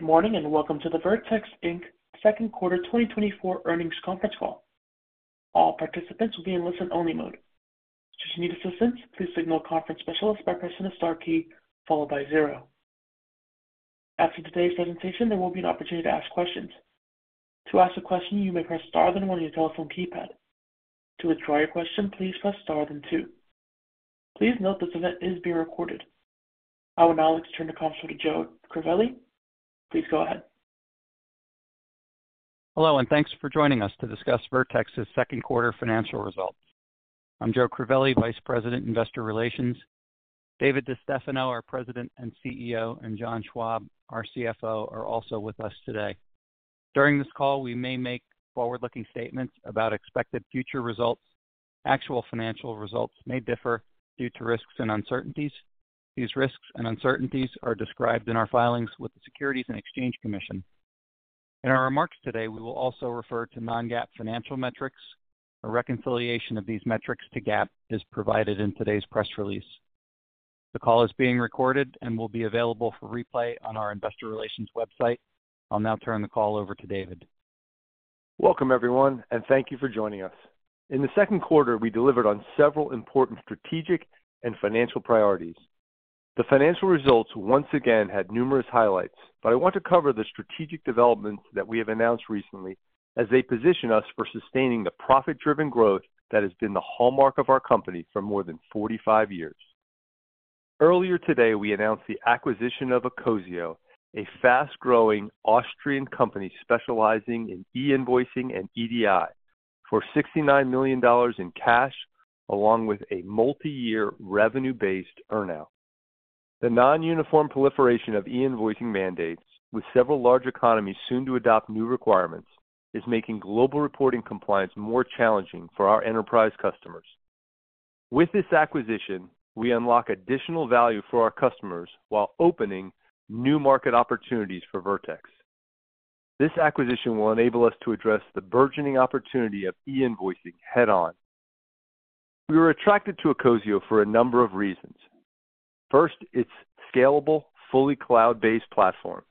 Good morning, and welcome to the Vertex Inc. second quarter 2024 earnings conference call. All participants will be in listen-only mode. Should you need assistance, please signal a conference specialist by pressing the star key followed by 0. After today's presentation, there will be an opportunity to ask questions. To ask a question, you may press star then one on your telephone keypad. To withdraw your question, please press star then two. Please note this event is being recorded. I would now like to turn the conference to Joe Crivelli. Please go ahead. Hello, and thanks for joining us to discuss Vertex's second quarter financial results. I'm Joe Crivelli, Vice President, Investor Relations. David DeStefano, our President and CEO, and John Schwab, our CFO, are also with us today. During this call, we may make forward-looking statements about expected future results. Actual financial results may differ due to risks and uncertainties. These risks and uncertainties are described in our filings with the Securities and Exchange Commission. In our remarks today, we will also refer to non-GAAP financial metrics. A reconciliation of these metrics to GAAP is provided in today's press release. The call is being recorded and will be available for replay on our investor relations website. I'll now turn the call over to David. Welcome, everyone, and thank you for joining us. In the second quarter, we delivered on several important strategic and financial priorities. The financial results once again had numerous highlights, but I want to cover the strategic developments that we have announced recently as they position us for sustaining the profit-driven growth that has been the hallmark of our company for more than 45 years. Earlier today, we announced the acquisition of ecosio, a fast-growing Austrian company specializing in e-invoicing and EDI, for $69 million in cash, along with a multiyear revenue-based earn-out. The non-uniform proliferation of e-invoicing mandates, with several large economies soon to adopt new requirements, is making global reporting compliance more challenging for our enterprise customers. With this acquisition, we unlock additional value for our customers while opening new market opportunities for Vertex. This acquisition will enable us to address the burgeoning opportunity of e-invoicing head-on. We were attracted to ecosio for a number of reasons. First, its scalable, fully cloud-based platform.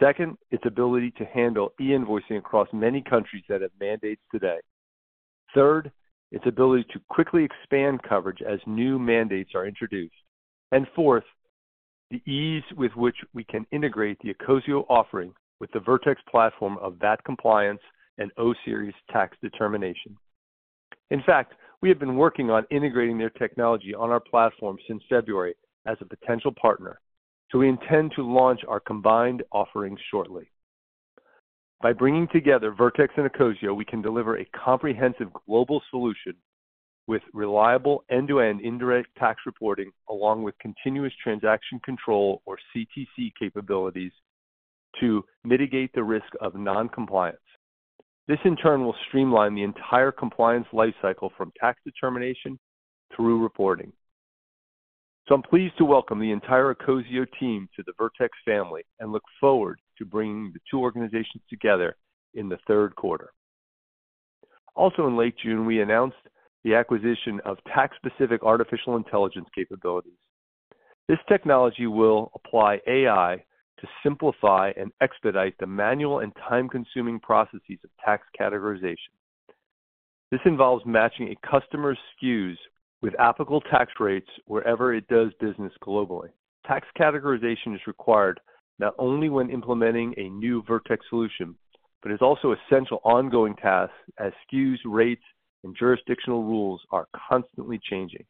Second, its ability to handle e-invoicing across many countries that have mandates today. Third, its ability to quickly expand coverage as new mandates are introduced. And fourth, the ease with which we can integrate the ecosio offering with the Vertex platform of VAT compliance and O Series tax determination. In fact, we have been working on integrating their technology on our platform since February as a potential partner, so we intend to launch our combined offerings shortly. By bringing together Vertex and ecosio, we can deliver a comprehensive global solution with reliable end-to-end indirect tax reporting, along with continuous transaction control, or CTC capabilities, to mitigate the risk of non-compliance. This, in turn, will streamline the entire compliance life cycle from tax determination through reporting. So I'm pleased to welcome the entire ecosio team to the Vertex family and look forward to bringing the two organizations together in the third quarter. Also, in late June, we announced the acquisition of tax-specific artificial intelligence capabilities. This technology will apply AI to simplify and expedite the manual and time-consuming processes of tax categorization. This involves matching a customer's SKUs with applicable tax rates wherever it does business globally. Tax categorization is required not only when implementing a new Vertex solution, but is also essential ongoing tasks as SKUs, rates, and jurisdictional rules are constantly changing.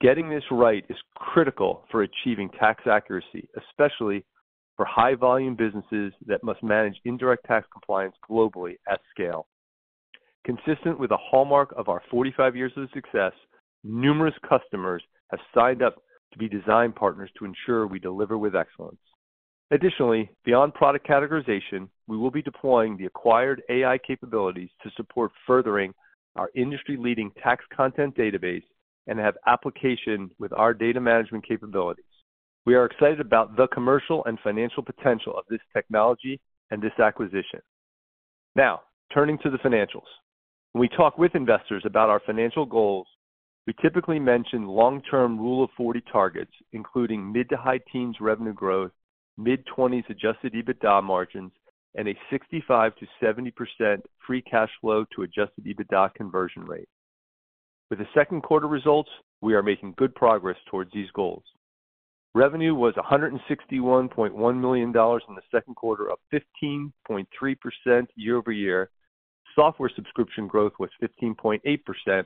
Getting this right is critical for achieving tax accuracy, especially for high-volume businesses that must manage indirect tax compliance globally at scale. Consistent with the hallmark of our 45 years of success, numerous customers have signed up to be design partners to ensure we deliver with excellence. Additionally, beyond product categorization, we will be deploying the acquired AI capabilities to support furthering our industry-leading tax content database and have application with our data management capabilities. We are excited about the commercial and financial potential of this technology and this acquisition. Now, turning to the financials. When we talk with investors about our financial goals, we typically mention long-term Rule of 40 targets, including mid- to high-teens revenue growth, mid-twenties Adjusted EBITDA margins, and a 65%-70% Free Cash Flow to Adjusted EBITDA conversion rate. For the second quarter results, we are making good progress towards these goals. Revenue was $161.1 million in the second quarter, up 15.3% year-over-year. Software subscription growth was 15.8%,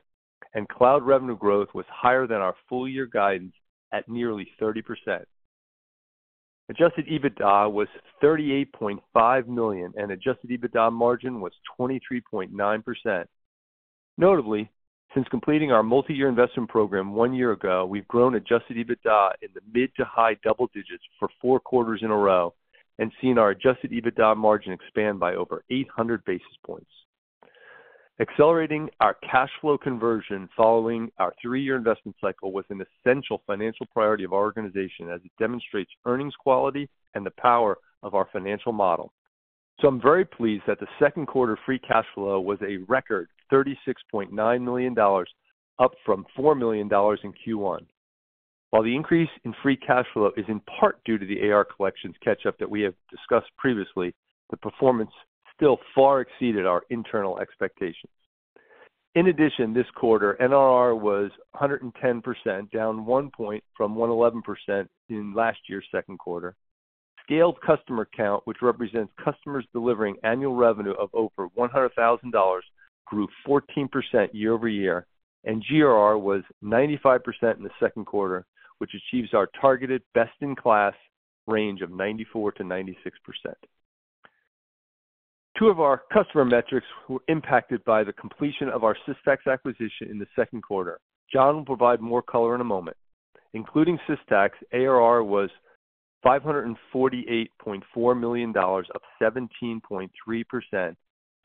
and cloud revenue growth was higher than our full year guidance at nearly 30%. Adjusted EBITDA was $38.5 million, and adjusted EBITDA margin was 23.9%. Notably, since completing our multiyear investment program 1 year ago, we've grown adjusted EBITDA in the mid to high double digits for 4 quarters in a row and seen our adjusted EBITDA margin expand by over 800 basis points. Accelerating our cash flow conversion following our 3-year investment cycle was an essential financial priority of our organization as it demonstrates earnings quality and the power of our financial model. I'm very pleased that the second quarter free cash flow was a record $36.9 million, up from $4 million in Q1. While the increase in free cash flow is in part due to the AR collections catch-up that we have discussed previously, the performance still far exceeded our internal expectations. In addition, this quarter, NRR was 110%, down 1 point from 111% in last year's second quarter. Scaled customer count, which represents customers delivering annual revenue of over $100,000, grew 14% year-over-year, and GRR was 95% in the second quarter, which achieves our targeted best-in-class range of 94%-96%. Two of our customer metrics were impacted by the completion of our Systax acquisition in the second quarter. John will provide more color in a moment. Including Systax, ARR was $548.4 million, up 17.3%,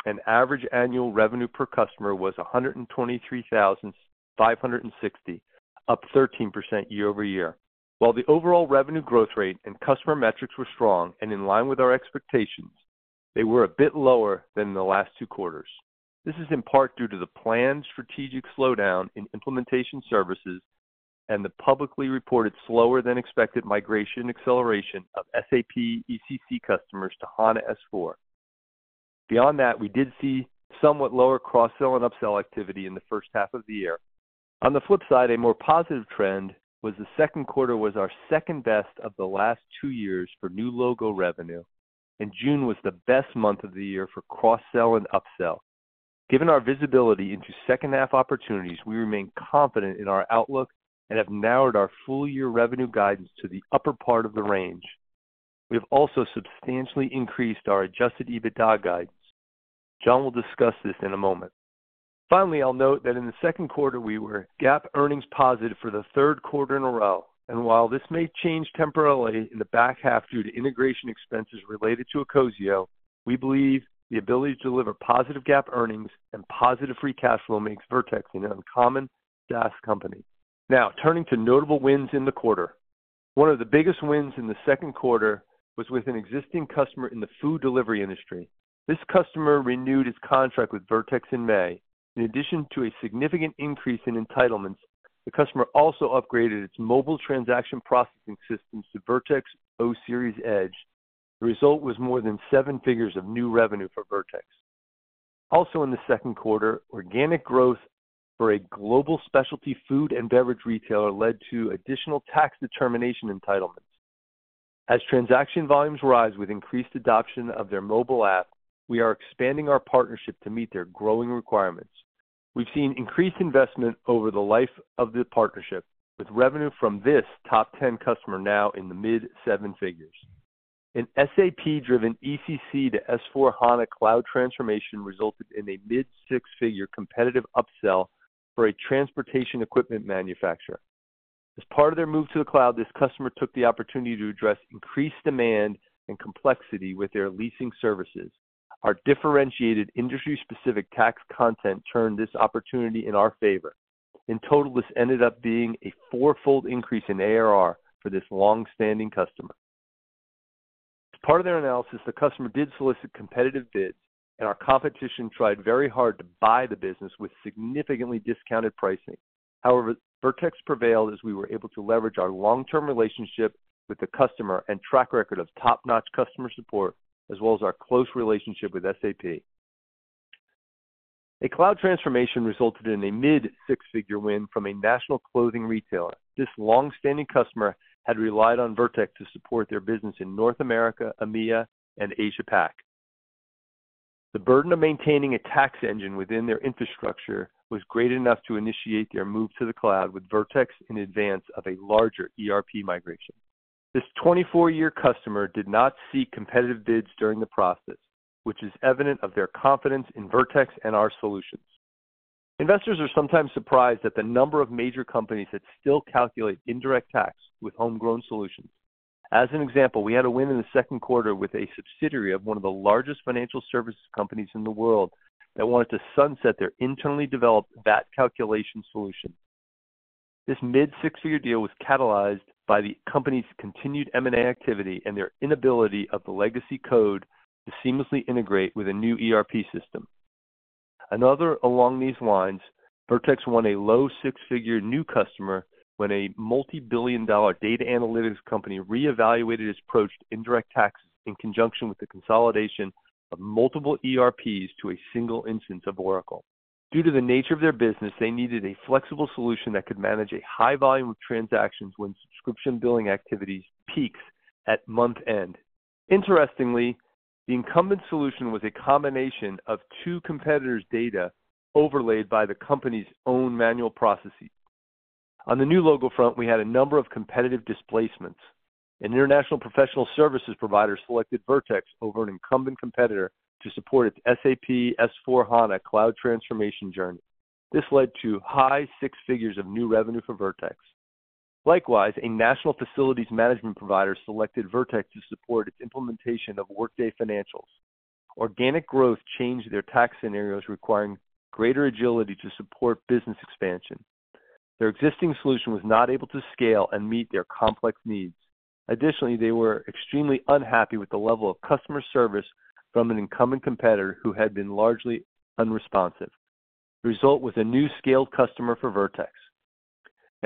and average annual revenue per customer was 123,560, up 13% year-over-year. While the overall revenue growth rate and customer metrics were strong and in line with our expectations, they were a bit lower than the last two quarters. This is in part due to the planned strategic slowdown in implementation services and the publicly reported slower-than-expected migration acceleration of SAP ECC customers to S/4HANA. Beyond that, we did see somewhat lower cross-sell and upsell activity in the first half of the year. On the flip side, a more positive trend was the second quarter was our second best of the last two years for new logo revenue, and June was the best month of the year for cross-sell and upsell. Given our visibility into second-half opportunities, we remain confident in our outlook and have narrowed our full-year revenue guidance to the upper part of the range. We have also substantially increased our Adjusted EBITDA guidance. John will discuss this in a moment. Finally, I'll note that in the second quarter, we were GAAP earnings positive for the third quarter in a row, and while this may change temporarily in the back half due to integration expenses related to ecosio, we believe the ability to deliver positive GAAP earnings and positive free cash flow makes Vertex an uncommon SaaS company. Now, turning to notable wins in the quarter. One of the biggest wins in the second quarter was with an existing customer in the food delivery industry. This customer renewed its contract with Vertex in May. In addition to a significant increase in entitlements, the customer also upgraded its mobile transaction processing systems to Vertex O Series Edge. The result was more than $1 million of new revenue for Vertex. Also in the second quarter, organic growth for a global specialty food and beverage retailer led to additional tax determination entitlements. As transaction volumes rise with increased adoption of their mobile app, we are expanding our partnership to meet their growing requirements. We've seen increased investment over the life of the partnership, with revenue from this top 10 customer now in the mid-seven figures. An SAP-driven ECC to S/4HANA Cloud transformation resulted in a mid-six-figure competitive upsell for a transportation equipment manufacturer. As part of their move to the cloud, this customer took the opportunity to address increased demand and complexity with their leasing services. Our differentiated industry-specific tax content turned this opportunity in our favor. In total, this ended up being a four-fold increase in ARR for this long-standing customer. As part of their analysis, the customer did solicit competitive bids, and our competition tried very hard to buy the business with significantly discounted pricing. However, Vertex prevailed as we were able to leverage our long-term relationship with the customer and track record of top-notch customer support, as well as our close relationship with SAP. A cloud transformation resulted in a $ mid six-figure win from a national clothing retailer. This long-standing customer had relied on Vertex to support their business in North America, EMEA, and Asia-Pac. The burden of maintaining a tax engine within their infrastructure was great enough to initiate their move to the cloud with Vertex in advance of a larger ERP migration. This 24-year customer did not seek competitive bids during the process, which is evident of their confidence in Vertex and our solutions. Investors are sometimes surprised at the number of major companies that still calculate indirect tax with homegrown solutions. As an example, we had a win in the second quarter with a subsidiary of one of the largest financial services companies in the world that wanted to sunset their internally developed VAT calculation solution. This mid-six-figure deal was catalyzed by the company's continued M&A activity and their inability of the legacy code to seamlessly integrate with a new ERP system. Another along these lines, Vertex won a low-six-figure new customer when a multi-billion-dollar data analytics company reevaluated its approach to indirect tax in conjunction with the consolidation of multiple ERPs to a single instance of Oracle. Due to the nature of their business, they needed a flexible solution that could manage a high volume of transactions when subscription billing activities peaks at month-end. Interestingly, the incumbent solution was a combination of two competitors' data overlaid by the company's own manual processes. On the new logo front, we had a number of competitive displacements. An international professional services provider selected Vertex over an incumbent competitor to support its SAP S/4HANA Cloud transformation journey. This led to high six figures of new revenue for Vertex. Likewise, a national facilities management provider selected Vertex to support its implementation of Workday Financials. Organic growth changed their tax scenarios, requiring greater agility to support business expansion.... Their existing solution was not able to scale and meet their complex needs. Additionally, they were extremely unhappy with the level of customer service from an incumbent competitor who had been largely unresponsive. The result was a new scaled customer for Vertex.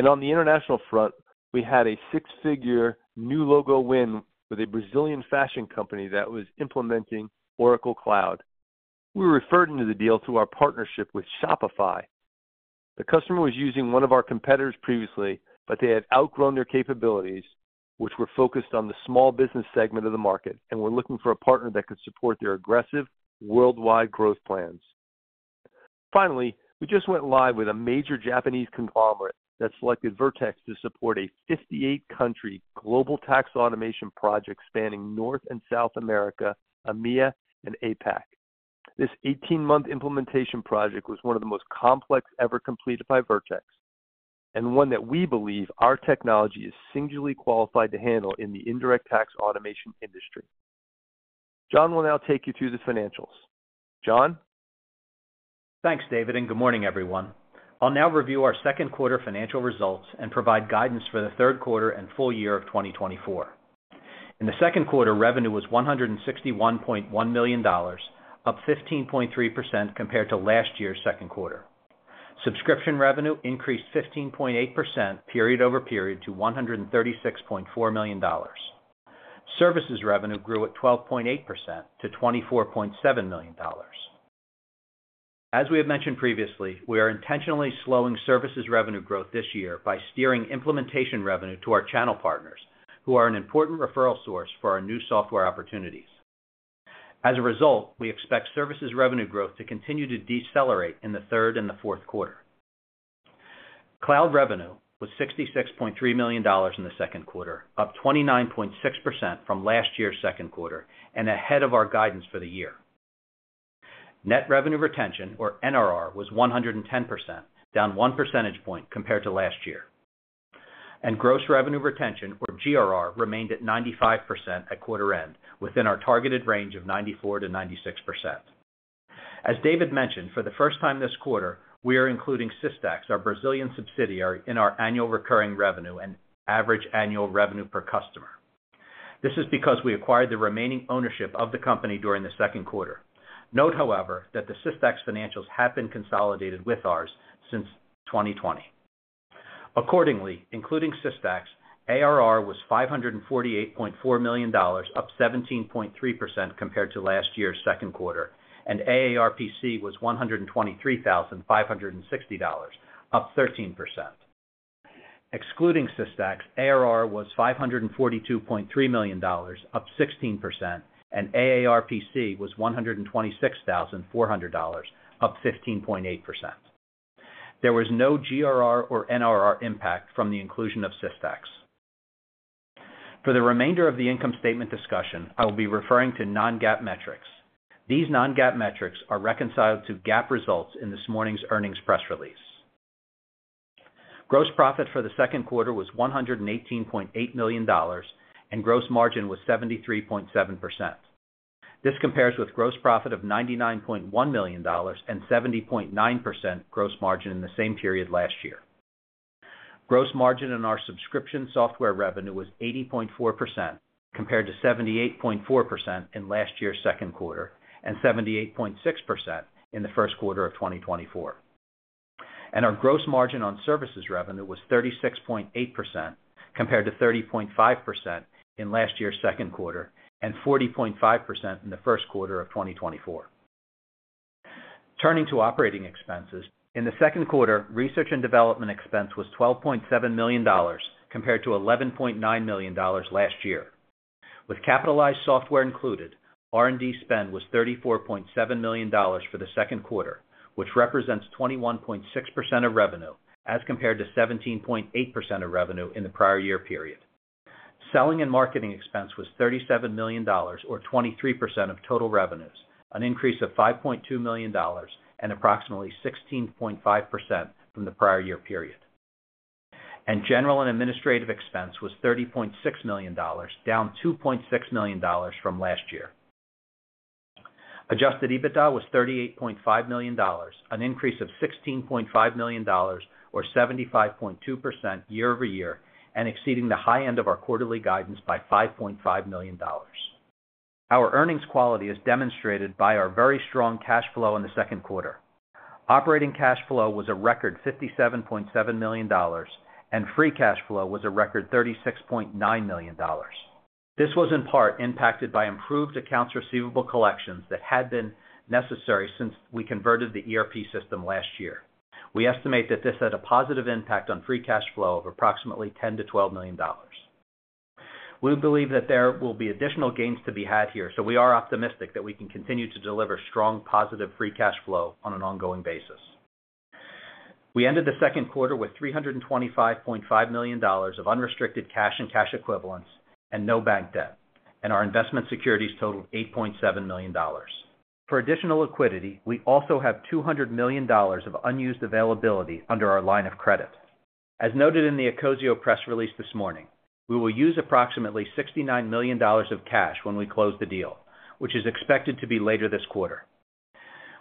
On the international front, we had a six-figure new logo win with a Brazilian fashion company that was implementing Oracle Cloud. We were referred into the deal through our partnership with Shopify. The customer was using one of our competitors previously, but they had outgrown their capabilities, which were focused on the small business segment of the market, and were looking for a partner that could support their aggressive worldwide growth plans. Finally, we just went live with a major Japanese conglomerate that selected Vertex to support a 58-country global tax automation project spanning North and South America, EMEA, and APAC. This 18-month implementation project was one of the most complex ever completed by Vertex, and one that we believe our technology is singularly qualified to handle in the indirect tax automation industry. John will now take you through the financials. John? Thanks, David, and good morning, everyone. I'll now review our second quarter financial results and provide guidance for the third quarter and full year of 2024. In the second quarter, revenue was $161.1 million, up 15.3% compared to last year's second quarter. Subscription revenue increased 15.8% period over period to $136.4 million. Services revenue grew at 12.8% to $24.7 million. As we have mentioned previously, we are intentionally slowing services revenue growth this year by steering implementation revenue to our channel partners, who are an important referral source for our new software opportunities. As a result, we expect services revenue growth to continue to decelerate in the third and the fourth quarter. Cloud revenue was $66.3 million in the second quarter, up 29.6% from last year's second quarter, and ahead of our guidance for the year. Net revenue retention, or NRR, was 110%, down one percentage point compared to last year. Gross revenue retention, or GRR, remained at 95% at quarter end, within our targeted range of 94%-96%. As David mentioned, for the first time this quarter, we are including Systax, our Brazilian subsidiary, in our annual recurring revenue and average annual revenue per customer. This is because we acquired the remaining ownership of the company during the second quarter. Note, however, that the Systax financials have been consolidated with ours since 2020. Accordingly, including Systax, ARR was $548.4 million, up 17.3% compared to last year's second quarter, and AARPC was $123,560, up 13%. Excluding Systax, ARR was $542.3 million, up 16%, and AARPC was $126,400, up 15.8%. There was no GRR or NRR impact from the inclusion of Systax. For the remainder of the income statement discussion, I will be referring to non-GAAP metrics. These non-GAAP metrics are reconciled to GAAP results in this morning's earnings press release. Gross profit for the second quarter was $118.8 million, and gross margin was 73.7%. This compares with gross profit of $99.1 million and 70.9% gross margin in the same period last year. Gross margin on our subscription software revenue was 80.4%, compared to 78.4% in last year's second quarter, and 78.6% in the first quarter of 2024. Our gross margin on services revenue was 36.8%, compared to 30.5% in last year's second quarter, and 40.5% in the first quarter of 2024. Turning to operating expenses, in the second quarter, research and development expense was $12.7 million, compared to $11.9 million last year. With capitalized software included, R&D spend was $34.7 million for the second quarter, which represents 21.6% of revenue, as compared to 17.8% of revenue in the prior year period. Selling and marketing expense was $37 million, or 23% of total revenues, an increase of $5.2 million, and approximately 16.5% from the prior year period. General and administrative expense was $30.6 million, down $2.6 million from last year. Adjusted EBITDA was $38.5 million, an increase of $16.5 million, or 75.2% year-over-year, and exceeding the high end of our quarterly guidance by $5.5 million. Our earnings quality is demonstrated by our very strong cash flow in the second quarter. Operating cash flow was a record $57.7 million, and free cash flow was a record $36.9 million. This was in part impacted by improved accounts receivable collections that had been necessary since we converted the ERP system last year. We estimate that this had a positive impact on free cash flow of approximately $10 million-$12 million. We believe that there will be additional gains to be had here, so we are optimistic that we can continue to deliver strong, positive free cash flow on an ongoing basis. We ended the second quarter with $325.5 million of unrestricted cash and cash equivalents, and no bank debt, and our investment securities totaled $8.7 million. For additional liquidity, we also have $200 million of unused availability under our line of credit. As noted in the ecosio press release this morning, we will use approximately $69 million of cash when we close the deal, which is expected to be later this quarter.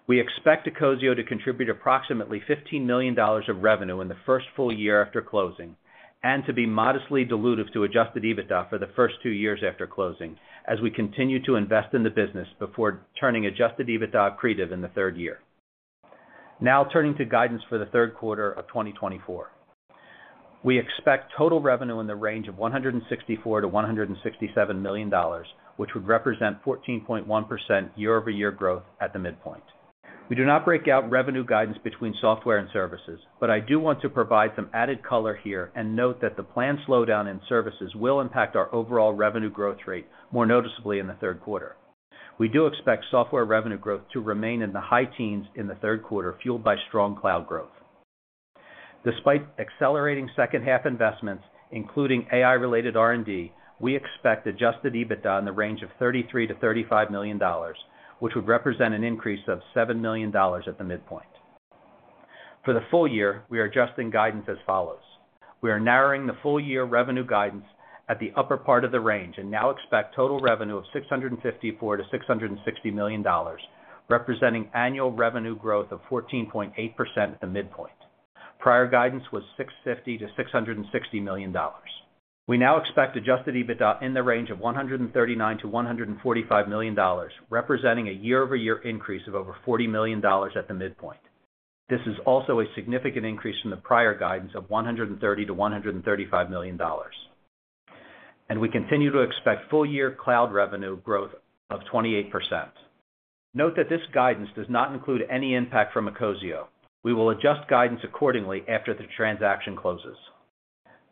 We expect ecosio to contribute approximately $15 million of revenue in the first full year after closing, and to be modestly dilutive to Adjusted EBITDA for the first two years after closing, as we continue to invest in the business before turning Adjusted EBITDA accretive in the third year. Now turning to guidance for the third quarter of 2024. We expect total revenue in the range of $164 million-$167 million, which would represent 14.1% year-over-year growth at the midpoint. We do not break out revenue guidance between software and services, but I do want to provide some added color here and note that the planned slowdown in services will impact our overall revenue growth rate more noticeably in the third quarter. We do expect software revenue growth to remain in the high teens in the third quarter, fueled by strong cloud growth. Despite accelerating second-half investments, including AI-related R&D, we expect adjusted EBITDA in the range of $33 million-$35 million, which would represent an increase of $7 million at the midpoint. For the full year, we are adjusting guidance as follows: We are narrowing the full-year revenue guidance at the upper part of the range and now expect total revenue of $654 million-$660 million, representing annual revenue growth of 14.8% at the midpoint. Prior guidance was $650 million-$660 million. We now expect Adjusted EBITDA in the range of $139 million-$145 million, representing a year-over-year increase of over $40 million at the midpoint. This is also a significant increase from the prior guidance of $130 million-$135 million. We continue to expect full-year cloud revenue growth of 28%. Note that this guidance does not include any impact from ecosio. We will adjust guidance accordingly after the transaction closes.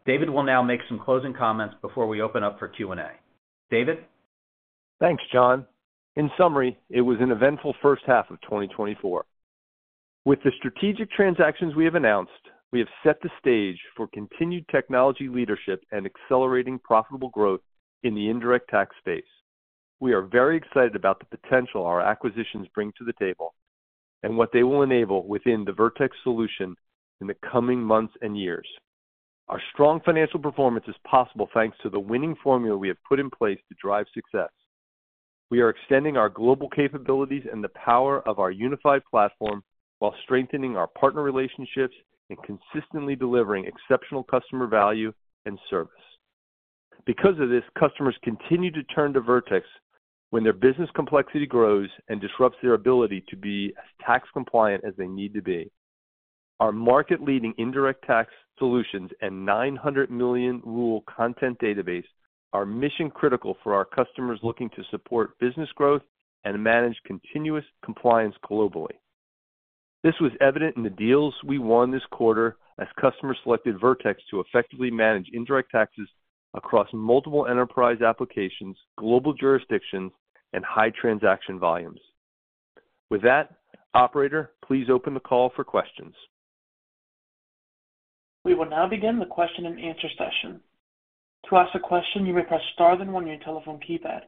David will now make some closing comments before we open up for Q&A. David? Thanks, John. In summary, it was an eventful first half of 2024. With the strategic transactions we have announced, we have set the stage for continued technology leadership and accelerating profitable growth in the indirect tax space. We are very excited about the potential our acquisitions bring to the table and what they will enable within the Vertex solution in the coming months and years. Our strong financial performance is possible, thanks to the winning formula we have put in place to drive success. We are extending our global capabilities and the power of our unified platform while strengthening our partner relationships and consistently delivering exceptional customer value and service. Because of this, customers continue to turn to Vertex when their business complexity grows and disrupts their ability to be as tax compliant as they need to be. Our market-leading indirect tax solutions and 900 million rule content database are mission critical for our customers looking to support business growth and manage continuous compliance globally. This was evident in the deals we won this quarter, as customers selected Vertex to effectively manage indirect taxes across multiple enterprise applications, global jurisdictions, and high transaction volumes. With that, operator, please open the call for questions. We will now begin the question-and-answer session. To ask a question, you may press star, then 1 on your telephone keypad.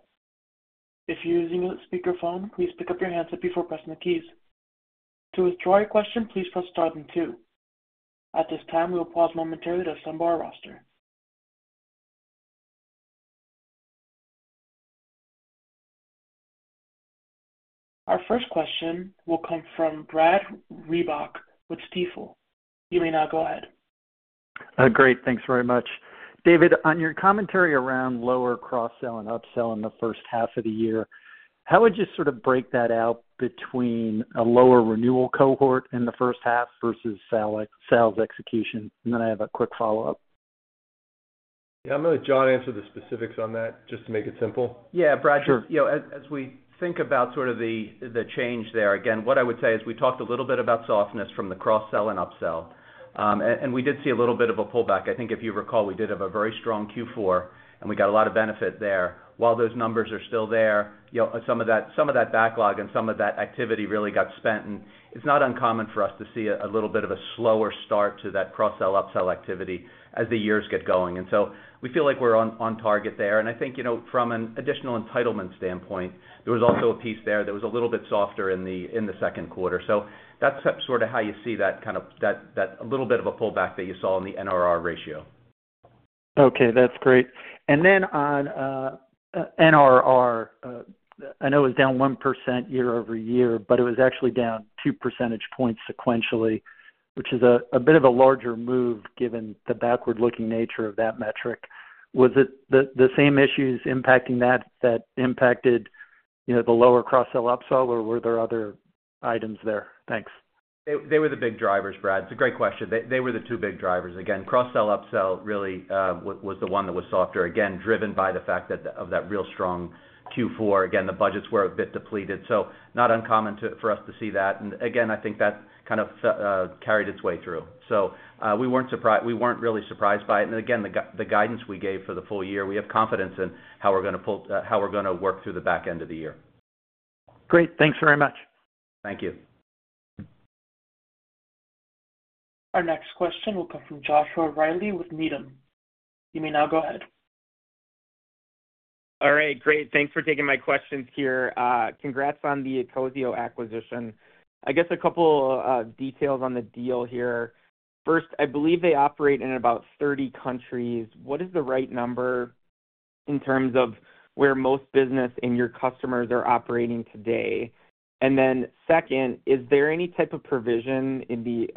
If you're using a speakerphone, please pick up your handset before pressing the keys. To withdraw your question, please press star then 2. At this time, we will pause momentarily to assemble our roster. Our first question will come from Brad Reback with Stifel. You may now go ahead. Great. Thanks very much. David, on your commentary around lower cross-sell and upsell in the first half of the year, how would you sort of break that out between a lower renewal cohort in the first half versus sales execution? And then I have a quick follow-up. Yeah, I'm going to let John answer the specifics on that, just to make it simple. Yeah, Brad. Sure. You know, as we think about sort of the change there, again, what I would say is we talked a little bit about softness from the cross-sell and upsell. And we did see a little bit of a pullback. I think if you recall, we did have a very strong Q4, and we got a lot of benefit there. While those numbers are still there, you know, some of that, some of that backlog and some of that activity really got spent, and it's not uncommon for us to see a little bit of a slower start to that cross-sell/upsell activity as the years get going. And so we feel like we're on target there. And I think, you know, from an additional entitlement standpoint, there was also a piece there that was a little bit softer in the second quarter. So that's sort of how you see that kind of a little bit of a pullback that you saw in the NRR ratio. Okay, that's great. And then on NRR, I know it was down 1% year-over-year, but it was actually down two percentage points sequentially, which is a bit of a larger move, given the backward-looking nature of that metric. Was it the same issues impacting that that impacted, you know, the lower cross-sell, upsell, or were there other items there? Thanks. They were the big drivers, Brad. It's a great question. They were the two big drivers. Again, cross-sell, upsell really was the one that was softer. Again, driven by the fact that, of that real strong Q4. Again, the budgets were a bit depleted, so not uncommon to for us to see that. And again, I think that kind of carried its way through. So, we weren't surprised. We weren't really surprised by it. And again, the guidance we gave for the full year, we have confidence in how we're gonna pull, how we're gonna work through the back end of the year. Great. Thanks very much. Thank you. Our next question will come from Joshua Reilly with Needham. You may now go ahead. All right, great. Thanks for taking my questions here. Congrats on the ecosio acquisition. I guess a couple of details on the deal here. First, I believe they operate in about 30 countries. What is the right number?... in terms of where most business and your customers are operating today? And then second, is there any type of provision in the,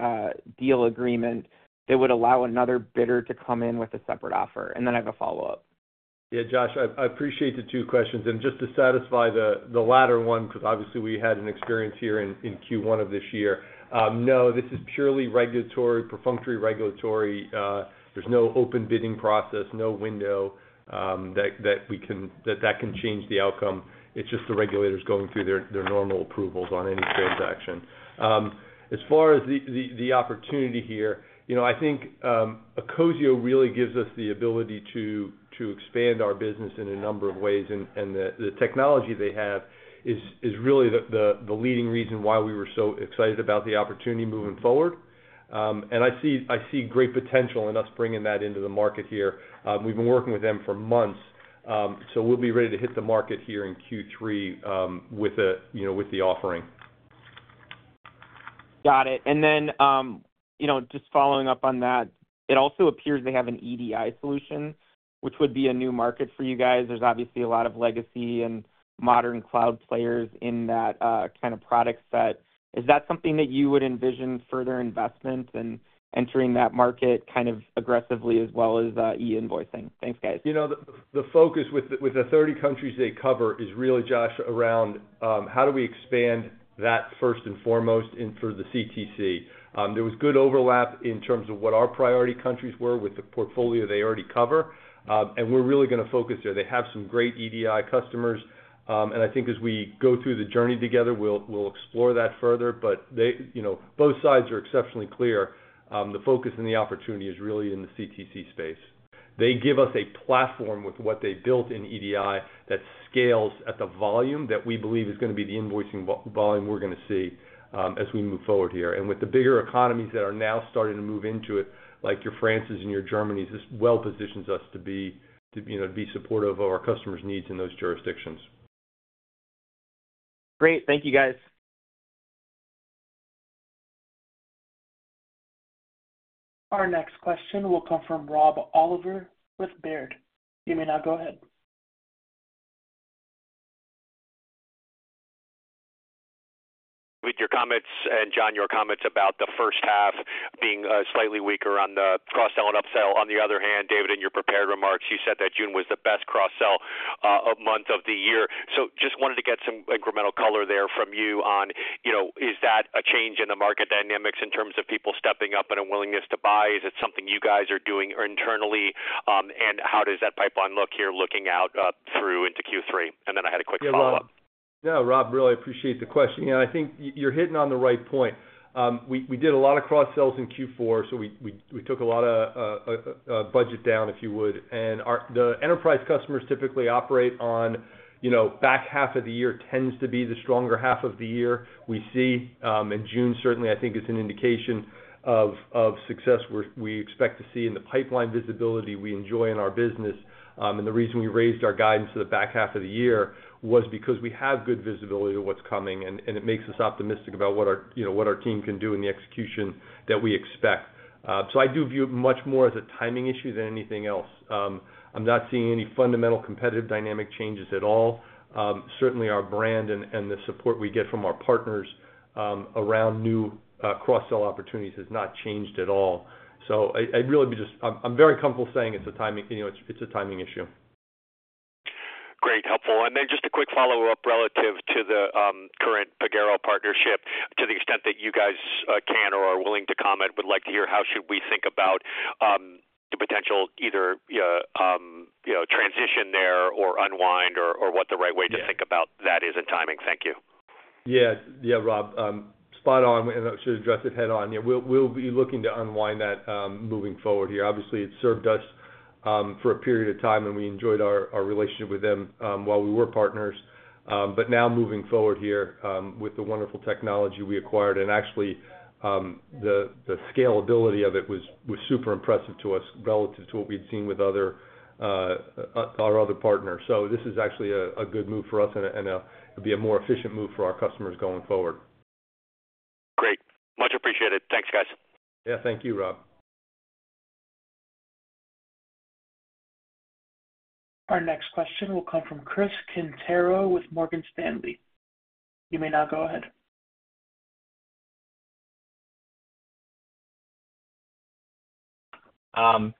deal agreement that would allow another bidder to come in with a separate offer? And then I have a follow-up. Yeah, Josh, I appreciate the two questions. And just to satisfy the latter one, because obviously we had an experience here in Q1 of this year. No, this is purely regulatory, perfunctory regulatory. There's no open bidding process, no window, that we can – that can change the outcome. It's just the regulators going through their normal approvals on any transaction. As far as the opportunity here, you know, I think, ecosio really gives us the ability to expand our business in a number of ways, and the technology they have is really the leading reason why we were so excited about the opportunity moving forward. And I see great potential in us bringing that into the market here. We've been working with them for months, so we'll be ready to hit the market here in Q3, with the, you know, with the offering. Got it. And then, you know, just following up on that, it also appears they have an EDI solution, which would be a new market for you guys. There's obviously a lot of legacy and modern cloud players in that, kind of product set. Is that something that you would envision further investment and entering that market kind of aggressively as well as, e-invoicing? Thanks, guys. You know, the focus with the 30 countries they cover is really, Josh, around how do we expand that first and foremost and for the CTC? There was good overlap in terms of what our priority countries were with the portfolio they already cover, and we're really gonna focus there. They have some great EDI customers, and I think as we go through the journey together, we'll explore that further. But they, you know, both sides are exceptionally clear, the focus and the opportunity is really in the CTC space. They give us a platform with what they built in EDI that scales at the volume that we believe is gonna be the invoicing volume we're gonna see, as we move forward here. With the bigger economies that are now starting to move into it, like your France's and your Germany's, this well positions us to be, to, you know, be supportive of our customers' needs in those jurisdictions. Great. Thank you, guys. Our next question will come from Rob Oliver with Baird. You may now go ahead. With your comments, and John, your comments about the first half being slightly weaker on the cross-sell and upsell. On the other hand, David, in your prepared remarks, you said that June was the best cross-sell month of the year. So just wanted to get some incremental color there from you on, you know, is that a change in the market dynamics in terms of people stepping up and a willingness to buy? Is it something you guys are doing internally? And how does that pipeline look here, looking out through into Q3? And then I had a quick follow-up. Yeah, Rob. No, Rob, really appreciate the question, and I think you're hitting on the right point. We did a lot of cross-sells in Q4, so we took a lot of budget down, if you would. And our the enterprise customers typically operate on, you know, back half of the year tends to be the stronger half of the year. We see, and June certainly, I think, is an indication of success we expect to see and the pipeline visibility we enjoy in our business. And the reason we raised our guidance to the back half of the year was because we have good visibility to what's coming, and it makes us optimistic about what our, you know, what our team can do in the execution that we expect. So I do view it much more as a timing issue than anything else. I'm not seeing any fundamental competitive dynamic changes at all. Certainly our brand and, and the support we get from our partners, around new, cross-sell opportunities has not changed at all. So I, I'd really be just... I'm, I'm very comfortable saying it's a timing, you know, it's, it's a timing issue. Great, helpful. Then just a quick follow-up relative to the current Pagero partnership. To the extent that you guys can or are willing to comment, would like to hear how should we think about the potential either you know transition there, or unwind, or what the right way, Yeah To think about that is in timing? Thank you. Yeah. Yeah, Rob, spot on, and I should address it head-on. Yeah, we'll, we'll be looking to unwind that, moving forward here. Obviously, it served us, for a period of time, and we enjoyed our, our relationship with them, while we were partners. But now moving forward here, with the wonderful technology we acquired, and actually, the, the scalability of it was, was super impressive to us relative to what we'd seen with other, our other partners. So this is actually a, a good move for us and a, and, it'll be a more efficient move for our customers going forward. Great. Much appreciated. Thanks, guys. Yeah, thank you, Rob. Our next question will come from Chris Quintero with Morgan Stanley. You may now go ahead.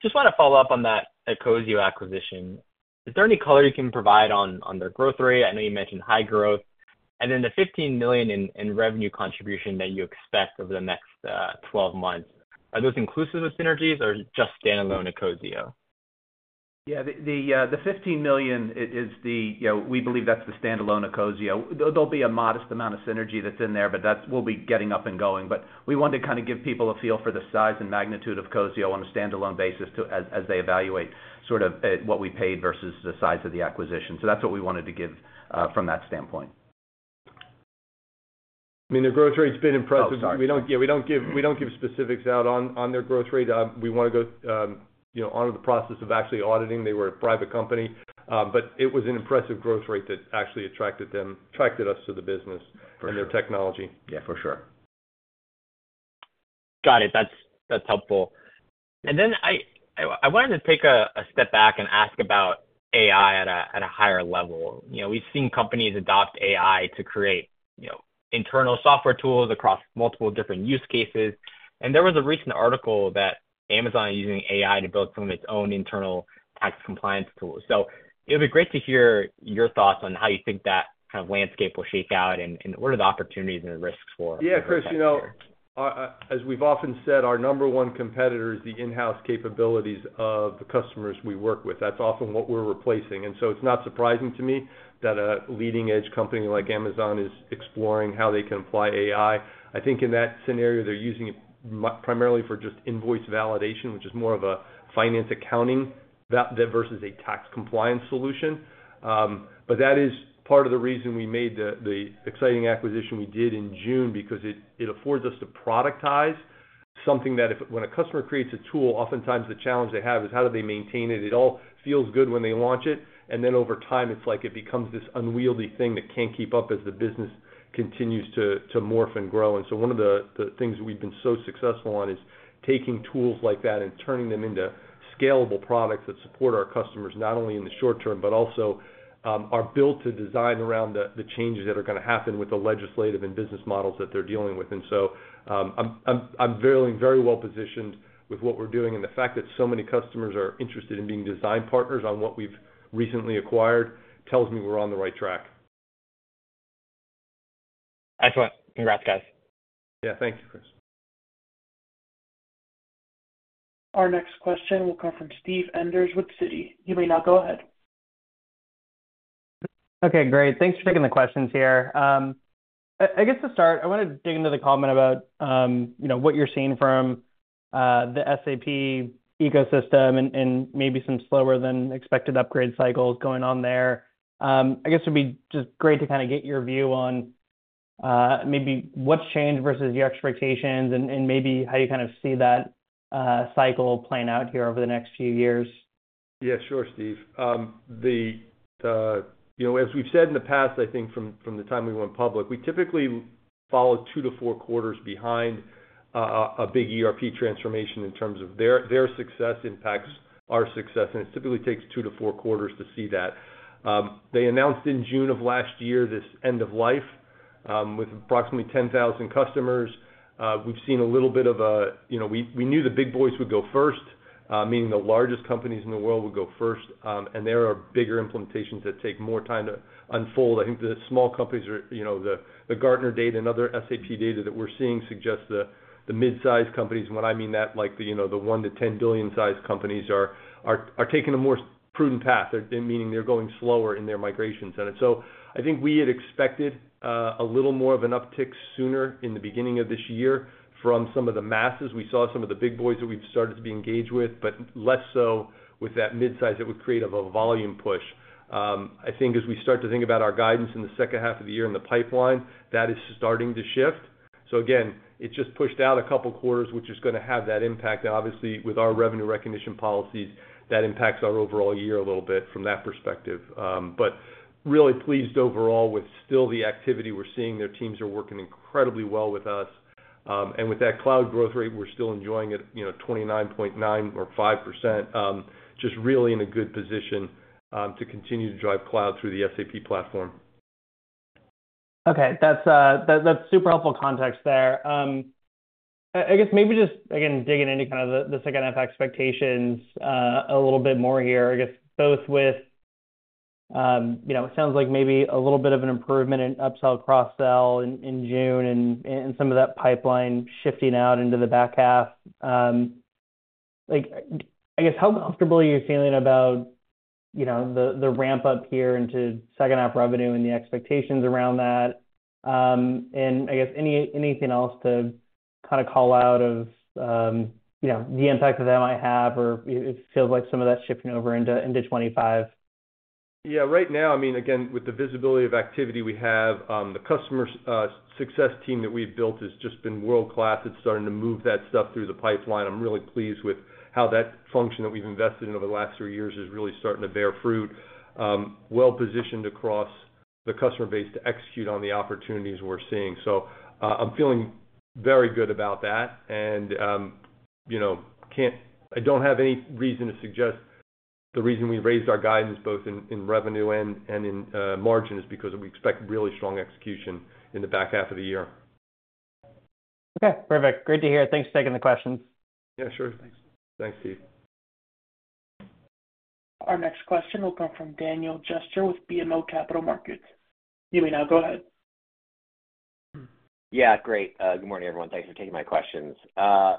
Just want to follow up on that ecosio acquisition. Is there any color you can provide on their growth rate? I know you mentioned high growth, and then the $15 million in revenue contribution that you expect over the next twelve months. Are those inclusive of synergies or just standalone ecosio? Yeah, the fifteen million is, you know, we believe that's the standalone ecosio. There'll be a modest amount of synergy that's in there, but that's we'll be getting up and going. But we want to kind of give people a feel for the size and magnitude of ecosio on a standalone basis as they evaluate sort of what we paid versus the size of the acquisition. So that's what we wanted to give from that standpoint. I mean, the growth rate's been impressive. Oh, sorry. We don't give specifics out on their growth rate. We want to go, you know, onto the process of actually auditing. They were a private company, but it was an impressive growth rate that actually attracted us to the business. For sure And their technology. Yeah, for sure. Got it. That's helpful. And then I wanted to take a step back and ask about AI at a higher level. You know, we've seen companies adopt AI to create, you know, internal software tools across multiple different use cases, and there was a recent article that Amazon is using AI to build some of its own internal tax compliance tools. So it'd be great to hear your thoughts on how you think that kind of landscape will shake out, and what are the opportunities and risks for? Yeah, Chris, you know, as we've often said, our number one competitor is the in-house capabilities of the customers we work with. That's often what we're replacing. And so it's not surprising to me that a leading-edge company like Amazon is exploring how they can apply AI. I think in that scenario, they're using it primarily for just invoice validation, which is more of a finance accounting versus a tax compliance solution. But that is part of the reason we made the exciting acquisition we did in June, because it affords us to productize something that when a customer creates a tool, oftentimes the challenge they have is how do they maintain it? It all feels good when they launch it, and then over time, it's like it becomes this unwieldy thing that can't keep up as the business continues to morph and grow. And so one of the things we've been so successful on is taking tools like that and turning them into scalable products that support our customers, not only in the short term, but also are built to design around the changes that are gonna happen with the legislative and business models that they're dealing with. And so I'm very, very well positioned with what we're doing, and the fact that so many customers are interested in being design partners on what we've recently acquired tells me we're on the right track. Excellent. Congrats, guys. Yeah. Thank you, Chris. Our next question will come from Steven Enders with Citi. You may now go ahead. Okay, great. Thanks for taking the questions here. I guess to start, I wanna dig into the comment about, you know, what you're seeing from the SAP ecosystem and maybe some slower than expected upgrade cycles going on there. I guess it'd be just great to kinda get your view on maybe what's changed versus your expectations, and maybe how you kind of see that cycle playing out here over the next few years. Yeah, sure, Steve. The, you know, as we've said in the past, I think from the time we went public, we typically follow two to four quarters behind a big ERP transformation in terms of their success impacts our success, and it typically takes two to four quarters to see that. They announced in June of last year, this end of life, with approximately 10,000 customers. We've seen a little bit of a... You know, we knew the big boys would go first, meaning the largest companies in the world would go first, and there are bigger implementations that take more time to unfold. I think the small companies are, you know, the Gartner data and other SAP data that we're seeing suggests the mid-size companies, when I mean that, like, the, you know, the 1-10 billion size companies are taking a more prudent path, they're meaning they're going slower in their migration center. So I think we had expected a little more of an uptick sooner in the beginning of this year from some of the masses. We saw some of the big boys that we've started to be engaged with, but less so with that midsize, that would create of a volume push. I think as we start to think about our guidance in the second half of the year in the pipeline, that is starting to shift. So again, it just pushed out a couple of quarters, which is gonna have that impact. Obviously, with our revenue recognition policies, that impacts our overall year a little bit from that perspective. But really pleased overall with still the activity we're seeing. Their teams are working incredibly well with us. And with that cloud growth rate, we're still enjoying it, you know, 29.9 or 5%. Just really in a good position to continue to drive cloud through the SAP platform. Okay. That's, that's super helpful context there. I guess maybe just, again, digging into kind of the, the second half expectations, a little bit more here, I guess, both with, you know, it sounds like maybe a little bit of an improvement in upsell, cross-sell in June and some of that pipeline shifting out into the back half. Like, I guess, how comfortable are you feeling about, you know, the ramp up here into second half revenue and the expectations around that? And I guess anything else to kinda call out of, you know, the impact that that might have, or it feels like some of that's shifting over into 2025. Yeah. Right now, I mean, again, with the visibility of activity we have, the customer success team that we've built has just been world-class. It's starting to move that stuff through the pipeline. I'm really pleased with how that function that we've invested in over the last three years is really starting to bear fruit. Well-positioned across the customer base to execute on the opportunities we're seeing. So, I'm feeling very good about that, and, you know, I don't have any reason to suggest the reason we've raised our guidance, both in revenue and in margin, is because we expect really strong execution in the back half of the year. Okay, perfect. Great to hear. Thanks for taking the questions. Yeah, sure. Thanks, Steve. Our next question will come from Daniel Jester with BMO Capital Markets. You may now go ahead. Yeah, great. Good morning, everyone. Thanks for taking my questions.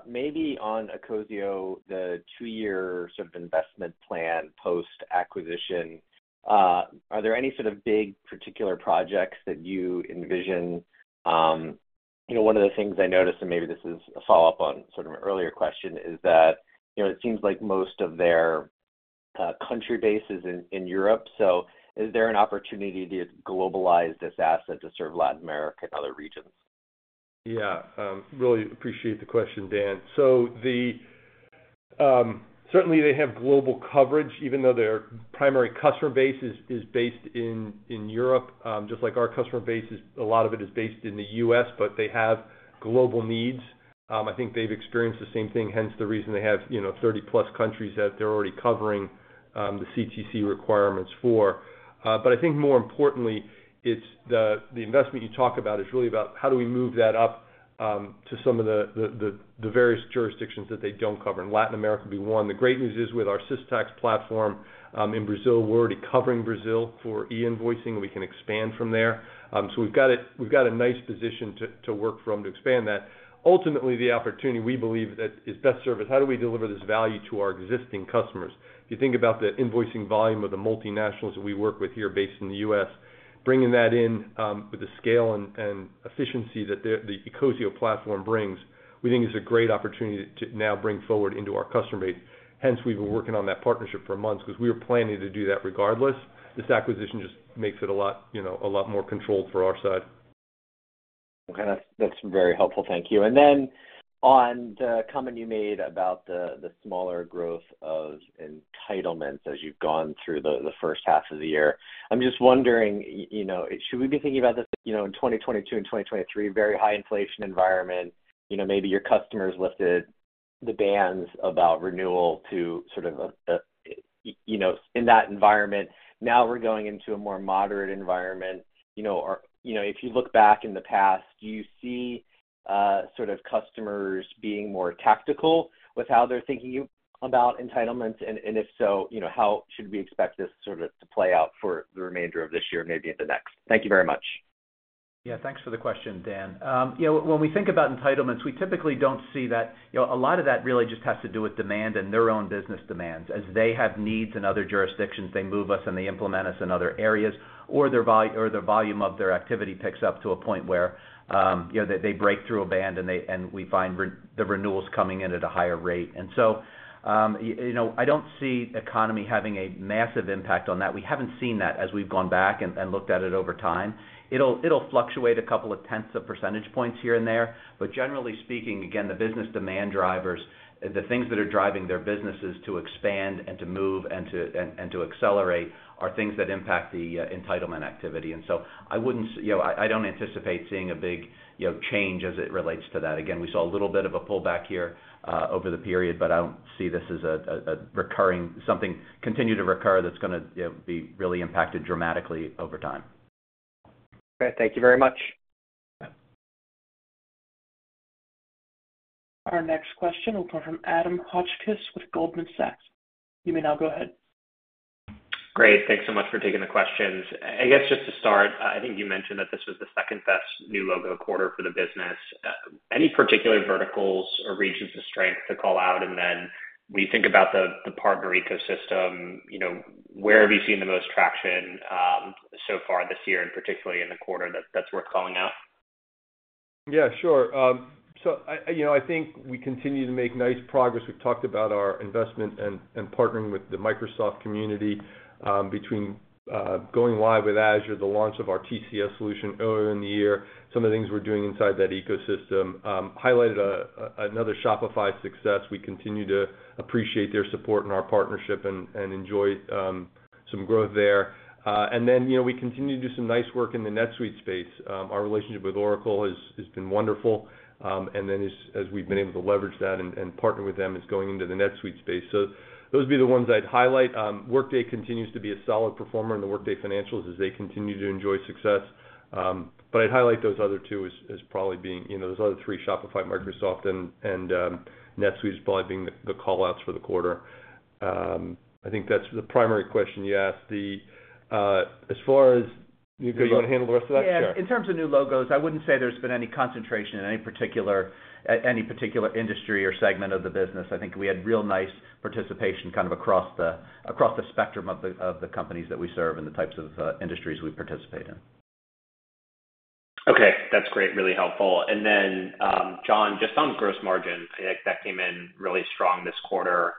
Maybe on ecosio, the two-year sort of investment plan, post-acquisition, are there any sort of big particular projects that you envision? You know, one of the things I noticed, and maybe this is a follow-up on sort of an earlier question, is that, you know, it seems like most of their country base is in Europe, so is there an opportunity to globalize this asset to serve Latin America and other regions? Yeah, really appreciate the question, Dan. So certainly they have global coverage, even though their primary customer base is, is based in, in Europe. Just like our customer base is, a lot of it is based in the U.S., but they have global needs. I think they've experienced the same thing, hence the reason they have, you know, 30+ countries that they're already covering, the CTC requirements for. But I think more importantly, it's the, the investment you talk about is really about how do we move that up, to some of the, the, the, the various jurisdictions that they don't cover, and Latin America would be one. The great news is, with our Systax platform, in Brazil, we're already covering Brazil for e-invoicing, and we can expand from there. So we've got a nice position to work from to expand that. Ultimately, the opportunity we believe that is best served is how do we deliver this value to our existing customers? If you think about the invoicing volume of the multinationals that we work with here based in the U.S., bringing that in, with the scale and efficiency that the ecosio platform brings, we think is a great opportunity to now bring forward into our customer base. Hence, we've been working on that partnership for months because we were planning to do that regardless. This acquisition just makes it a lot, you know, a lot more controlled for our side. Okay, that's, that's very helpful. Thank you. And then on the comment you made about the, the smaller growth of entitlements as you've gone through the, the first half of the year. I'm just wondering, you know, should we be thinking about this, you know, in 2022 and 2023, very high inflation environment, you know, maybe your customers lifted the bans about renewal to sort of a, a, you know, in that environment. Now we're going into a more moderate environment. You know, or, you know, if you look back in the past, do you see, sort of customers being more tactical with how they're thinking about entitlements? And, and if so, you know, how should we expect this sort of to play out for the remainder of this year, maybe into next? Thank you very much. Yeah, thanks for the question, Dan. You know, when we think about entitlements, we typically don't see that... You know, a lot of that really just has to do with demand and their own business demands. As they have needs in other jurisdictions, they move us, and they implement us in other areas, or their volume of their activity picks up to a point where, you know, they break through a band, and we find the renewals coming in at a higher rate. And so, you know, I don't see economy having a massive impact on that. We haven't seen that as we've gone back and looked at it over time. It'll fluctuate a couple of tenths of percentage points here and there, but generally speaking, again, the business demand drivers, the things that are driving their businesses to expand and to move and to accelerate, are things that impact the entitlement activity. So I wouldn't, you know, I don't anticipate seeing a big, you know, change as it relates to that. Again, we saw a little bit of a pullback here over the period, but I don't see this as a recurring something that continues to recur that's gonna, you know, be really impacted dramatically over time. Okay. Thank you very much. Yeah. Our next question will come from Adam Hotchkiss with Goldman Sachs. You may now go ahead. Great. Thanks so much for taking the questions. I guess, just to start, I think you mentioned that this was the second best new logo quarter for the business. Any particular verticals or regions of strength to call out? And then when you think about the partner ecosystem, you know, where have you seen the most traction so far this year, and particularly in the quarter that's worth calling out? Yeah, sure. So I, you know, I think we continue to make nice progress. We've talked about our investment and partnering with the Microsoft community, between going live with Azure, the launch of our TCS solution earlier in the year, some of the things we're doing inside that ecosystem. Highlighted another Shopify success. We continue to appreciate their support in our partnership and enjoy some growth there. And then, you know, we continue to do some nice work in the NetSuite space. Our relationship with Oracle has been wonderful, and then as we've been able to leverage that and partner with them, is going into the NetSuite space. So those would be the ones I'd highlight. Workday continues to be a solid performer in the Workday financials as they continue to enjoy success. But I'd highlight those other two as probably being, you know, those other three, Shopify, Microsoft, and NetSuite, as probably being the call-outs for the quarter. I think that's the primary question you asked. As far as... You want to handle the rest of that? Sure. Yeah. In terms of new logos, I wouldn't say there's been any concentration in any particular, any particular industry or segment of the business. I think we had real nice participation kind of across the, across the spectrum of the, of the companies that we serve and the types of, industries we participate in. Okay. That's great. Really helpful. And then, John, just on gross margin, I think that came in really strong this quarter.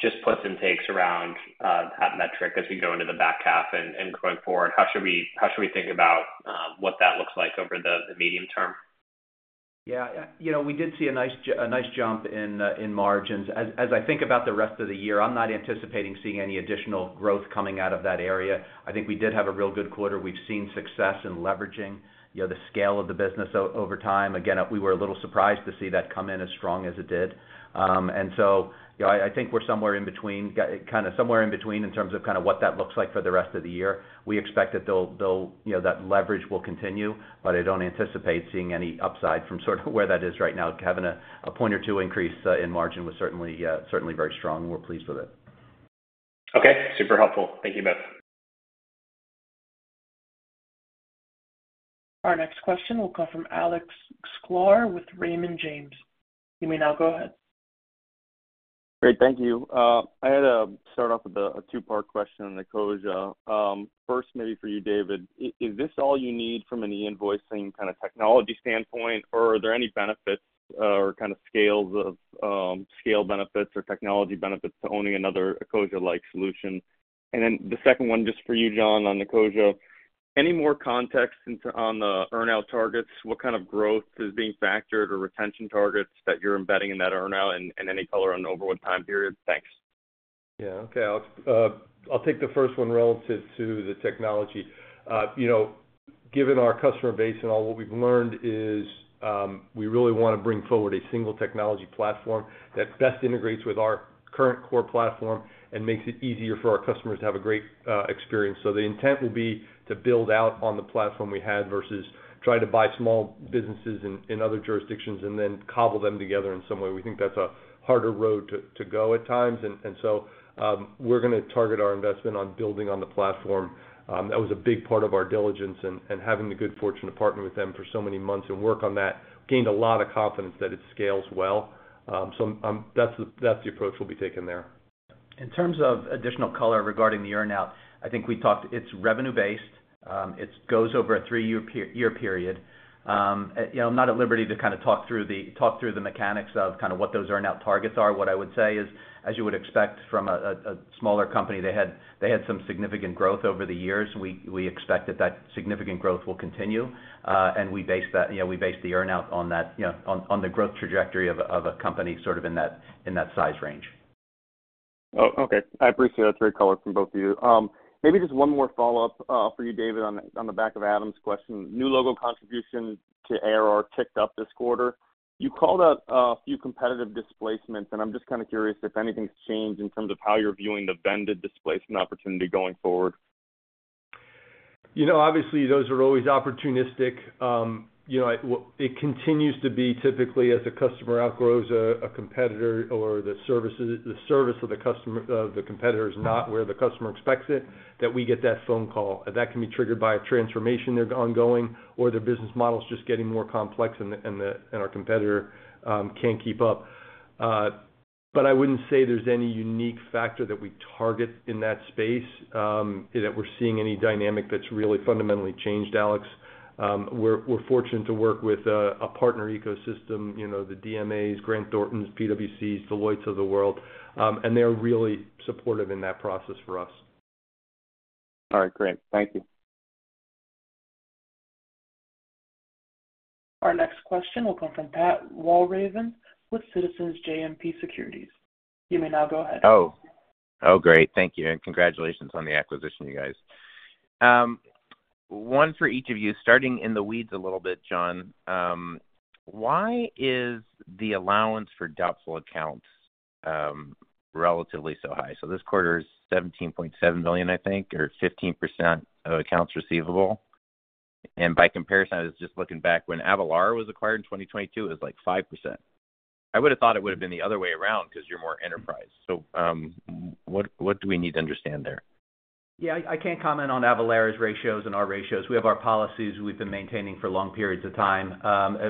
Just puts and takes around that metric as we go into the back half and, and going forward, how should we, how should we think about what that looks like over the, the medium term? Yeah. You know, we did see a nice jump in margins. As I think about the rest of the year, I'm not anticipating seeing any additional growth coming out of that area. I think we did have a real good quarter. We've seen success in leveraging, you know, the scale of the business over time. Again, we were a little surprised to see that come in as strong as it did. And so, you know, I think we're somewhere in between in terms of what that looks like for the rest of the year. We expect that they'll, you know, that leverage will continue, but I don't anticipate seeing any upside from sort of where that is right now. Having a point or two increase in margin was certainly very strong, and we're pleased with it. Okay, super helpful. Thank you both. Our next question will come from Alex Sklar with Raymond James. You may now go ahead. Great. Thank you. I had start off with a two-part question on the ecosio. First, maybe for you, David, is this all you need from an e-invoicing kind of technology standpoint, or are there any benefits or kind of scales of scale benefits or technology benefits to owning another ecosio-like solution? And then the second one, just for you, John, on ecosio. Any more context into, on the earn-out targets? What kind of growth is being factored or retention targets that you're embedding in that earn-out, and, and any color on the over what time period? Thanks. Yeah. Okay, I'll take the first one relative to the technology. You know, given our customer base and all, what we've learned is, we really wanna bring forward a single technology platform that best integrates with our current core platform and makes it easier for our customers to have a great experience. So the intent will be to build out on the platform we had versus try to buy small businesses in other jurisdictions and then cobble them together in some way. We think that's a harder road to go at times. And so, we're gonna target our investment on building on the platform. That was a big part of our diligence, and having the good fortune to partner with them for so many months and work on that, gained a lot of confidence that it scales well. So, that's the approach we'll be taking there. In terms of additional color regarding the earn-out, I think we talked. It's revenue-based. It goes over a three-year per-year period. You know, I'm not at liberty to kind of talk through the mechanics of kind of what those earn-out targets are. What I would say is, as you would expect from a smaller company, they had some significant growth over the years. We expect that significant growth will continue, and we base that, you know, we base the earn-out on that, you know, on the growth trajectory of a company sort of in that size range. Oh, okay. I appreciate it. That's great color from both of you. Maybe just one more follow-up, for you, David, on the back of Adam's question. New logo contribution to ARR ticked up this quarter. You called out a few competitive displacements, and I'm just kind of curious if anything's changed in terms of how you're viewing the vendor displacement opportunity going forward. You know, obviously, those are always opportunistic. You know, it continues to be typically as a customer outgrows a competitor or the services, the service of the customer, of the competitor is not where the customer expects it, that we get that phone call. That can be triggered by a transformation they've ongoing, or their business model is just getting more complex, and our competitor can't keep up. But I wouldn't say there's any unique factor that we target in that space, that we're seeing any dynamic that's really fundamentally changed, Alex. We're fortunate to work with a partner ecosystem, you know, the DMAs, Grant Thorntons, PwCs, Deloittes of the world, and they're really supportive in that process for us. All right, great. Thank you. Our next question will come from Pat Walravens with Citizens JMP Securities. You may now go ahead. Oh. Oh, great. Thank you, and congratulations on the acquisition, you guys. One for each of you. Starting in the weeds a little bit, John, why is the allowance for doubtful accounts relatively so high? So this quarter is $17.7 million, I think, or 15% of accounts receivable. And by comparison, I was just looking back, when Avalara was acquired in 2022, it was like 5%. I would have thought it would have been the other way around because you're more enterprise. So, what, what do we need to understand there? Yeah, I can't comment on Avalara's ratios and our ratios. We have our policies we've been maintaining for long periods of time,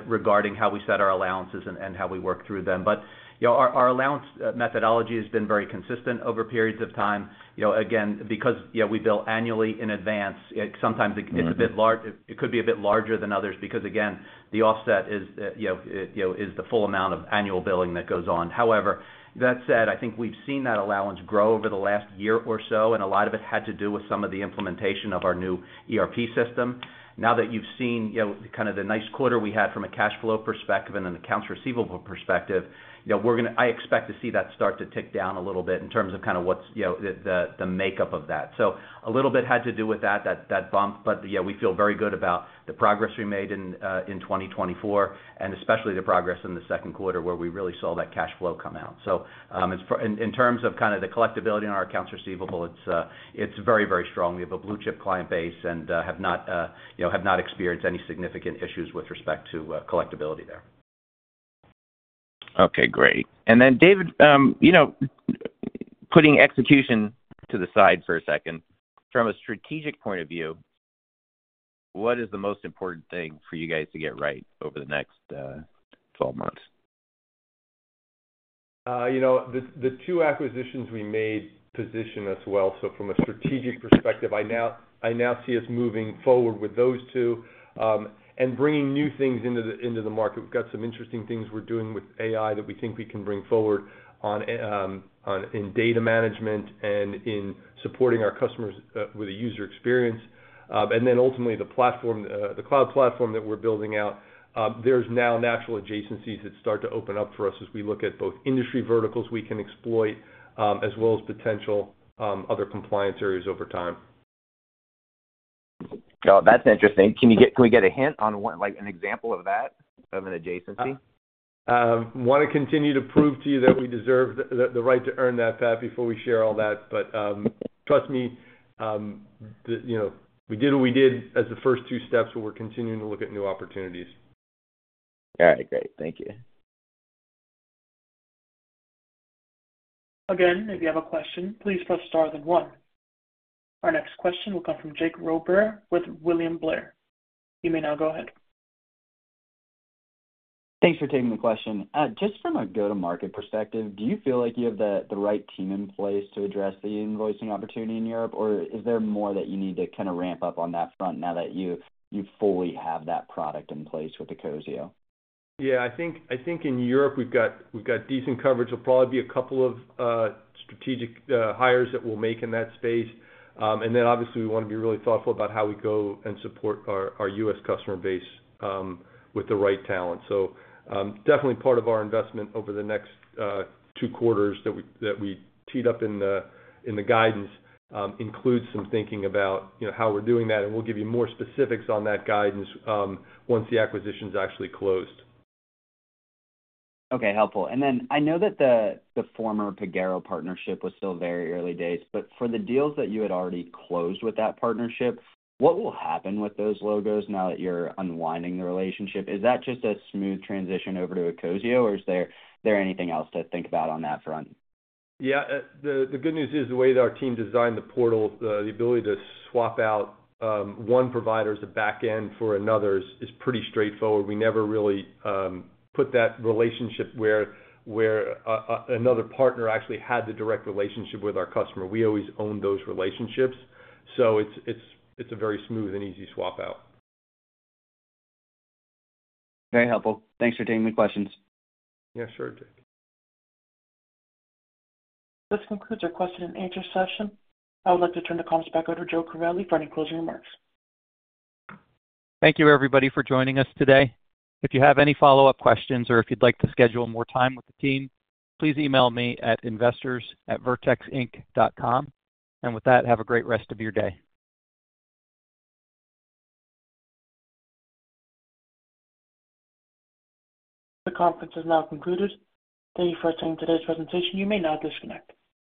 regarding how we set our allowances and how we work through them. But, you know, our allowance methodology has been very consistent over periods of time. You know, again, because, you know, we bill annually in advance, it sometimes it- Mm-hmm. It's a bit large. It could be a bit larger than others because, again, the offset is, you know, you know, is the full amount of annual billing that goes on. However, that said, I think we've seen that allowance grow over the last year or so, and a lot of it had to do with some of the implementation of our new ERP system. Now that you've seen, you know, kind of the nice quarter we had from a cash flow perspective and an accounts receivable perspective, you know, we're gonna - I expect to see that start to tick down a little bit in terms of kind of what's, you know, the makeup of that. So a little bit had to do with that bump, but, yeah, we feel very good about the progress we made in 2024, and especially the progress in the second quarter, where we really saw that cash flow come out. So, it's in terms of kind of the collectibility on our accounts receivable, it's very, very strong. We have a blue-chip client base and have not, you know, have not experienced any significant issues with respect to collectibility there. Okay, great. And then, David, you know, putting execution to the side for a second, from a strategic point of view, what is the most important thing for you guys to get right over the next 12 months? You know, the two acquisitions we made position us well. So from a strategic perspective, I now see us moving forward with those two, and bringing new things into the market. We've got some interesting things we're doing with AI that we think we can bring forward on in data management and in supporting our customers with the user experience. And then ultimately, the platform, the cloud platform that we're building out, there's now natural adjacencies that start to open up for us as we look at both industry verticals we can exploit, as well as potential other compliance areas over time. Oh, that's interesting. Can we get a hint on what, like, an example of that, of an adjacency? Wanna continue to prove to you that we deserve the right to earn that, Pat, before we share all that. But, trust me, you know, we did what we did as the first two steps, but we're continuing to look at new opportunities. All right, great. Thank you. Again, if you have a question, please press star then one. Our next question will come from Jake Roberge with William Blair. You may now go ahead. Thanks for taking the question. Just from a go-to-market perspective, do you feel like you have the right team in place to address the invoicing opportunity in Europe? Or is there more that you need to kind of ramp up on that front now that you fully have that product in place with ecosio? Yeah, I think in Europe we've got decent coverage. There'll probably be a couple of strategic hires that we'll make in that space. And then obviously, we wanna be really thoughtful about how we go and support our US customer base with the right talent. So, definitely part of our investment over the next two quarters that we teed up in the guidance includes some thinking about, you know, how we're doing that, and we'll give you more specifics on that guidance once the acquisition is actually closed. Okay, helpful. And then I know that the, the former Pagero partnership was still very early days, but for the deals that you had already closed with that partnership, what will happen with those logos now that you're unwinding the relationship? Is that just a smooth transition over to ecosio, or is there, is there anything else to think about on that front? Yeah, the good news is, the way that our team designed the portal, the ability to swap out one provider's backend for another's is pretty straightforward. We never really put that relationship where another partner actually had the direct relationship with our customer. We always own those relationships, so it's a very smooth and easy swap out. Very helpful. Thanks for taking the questions. Yeah, sure, Jake. This concludes our question and answer session. I would like to turn the conference back over to Joe Crivelli for any closing remarks. Thank you, everybody, for joining us today. If you have any follow-up questions or if you'd like to schedule more time with the team, please email me at investors@vertexinc.com. With that, have a great rest of your day. The conference has now concluded. Thank you for attending today's presentation. You may now disconnect.